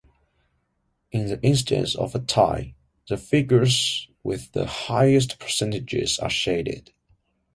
In the instance of a tie, the figures with the highest percentages are shaded.